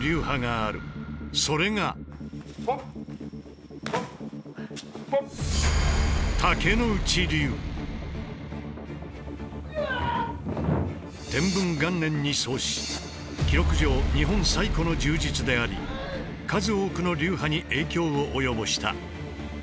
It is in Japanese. それが記録上日本最古の柔術であり数多くの流派に影響を及ぼした。